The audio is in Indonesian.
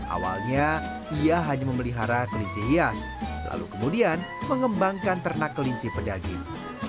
awalnya ia hanya memelihara kelinci hias lalu kemudian mengembangkan ternak kelinci pedaging